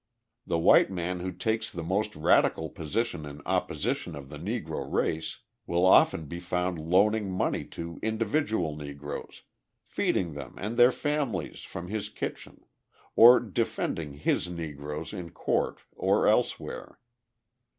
The white man who takes the most radical position in opposition to the Negro race will often be found loaning money to individual Negroes, feeding them and their families from his kitchen, or defending "his Negroes" in court or elsewhere.